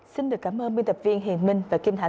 xin được cảm ơn biên tập viên hiền minh và kim hà